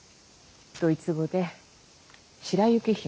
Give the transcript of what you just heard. ドイツ語で白雪姫。